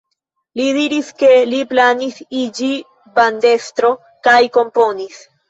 Li diris, ke li planis iĝi bandestro kaj komponisto.